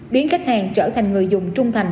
biến khách hàng trở thành người dùng trung thành